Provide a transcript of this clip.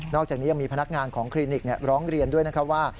อกจากนี้ยังมีพนักงานของคลินิกร้องเรียนด้วยนะครับว่า